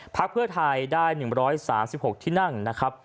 พักเพื่อไทยได้๑๓๖ที่นั่งนะครับ